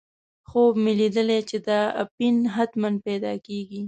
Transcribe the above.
خوب مې لیدلی چې دا اپین حتماً پیدا کېږي.